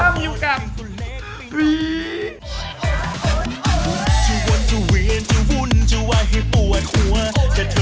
มันคล้ำอยู่กับ